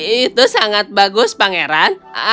itu sangat bagus pangeran